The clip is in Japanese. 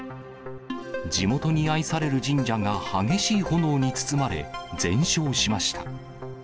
地元に愛される神社が激しい炎に包まれ、全焼しました。